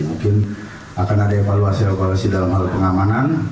mungkin akan ada evaluasi evaluasi dalam hal pengamanan